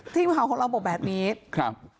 ทีมข่าวของเราบอกแบบนี้ครับ